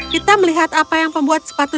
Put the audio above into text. kita melihat apa yang membuat sepatu